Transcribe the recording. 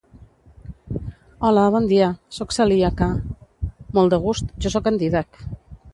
-Hola bon dia, soc celíaca. -Molt de gust, jo soc en Dídac.